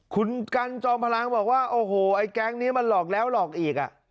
คุณกันจอมพลังบอกว่าโอ้โหไอ้แก๊งนี้มันหลอกแล้วหลอกอีกอ่ะ